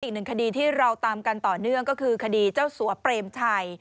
อีกหนึ่งคดีที่เราตามกันต่อเนื่องก็คือคดีเจ้าสัวเปรมชัย